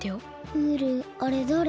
ムールあれだれ？